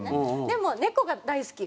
でもネコが大好き。